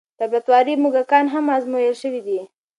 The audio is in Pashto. لابراتواري موږکان هم ازمویل شوي دي.